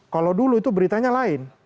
kalau dulu itu beritanya lain